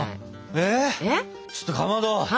えちょっとかまど！は？